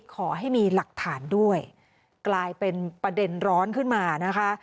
ขอให้มีหลักฐานด้วยกลายเป็นประเด็นร้อนขึ้นมานะคะ